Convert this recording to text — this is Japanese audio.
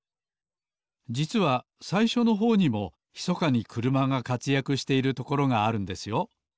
じつはさいしょのほうにもひそかにくるまがかつやくしているところがあるんですよ